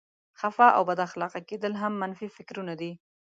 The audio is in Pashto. خفه او بد اخلاقه کېدل هم منفي فکرونه دي.